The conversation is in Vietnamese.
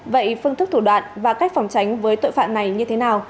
vậy phương thức thủ đoạn và cách phòng tránh với tội phạm này như thế nào